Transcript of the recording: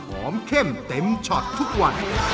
เข้มเต็มช็อตทุกวัน